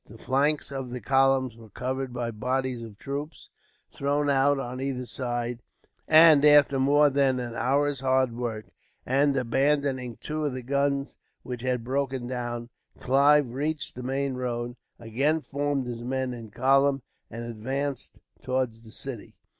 The flanks of the columns were covered by bodies of troops, thrown out on either side, and after more than an hour's hard work, and abandoning two of the guns which had broken down, Clive reached the main road, again formed his men in column, and advanced towards the city.